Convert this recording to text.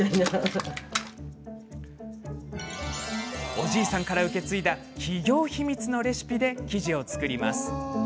おじいさんから受け継いだ企業秘密のレシピで生地を作ります。